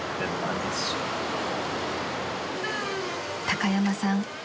［高山さん